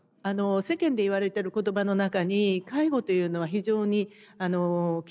世間でいわれてる言葉の中に介護というのは非常にきつい仕事だとか